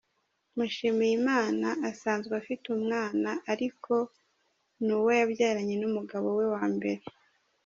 Mushimiyimana asanzwe afite umwana ariko ni uwo yabyaranye n’umugabo we wa mbere.